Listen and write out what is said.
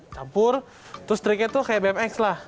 campur terus triknya tuh kayak bmx lah